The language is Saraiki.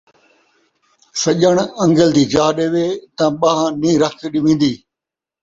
سڄݨ ان٘ڳل دی جاہ ݙیوے تاں ٻان٘ھ نئیں رکھ ݙیوین٘دی